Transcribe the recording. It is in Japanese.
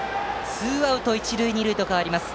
ツーアウト、一塁二塁と変わります。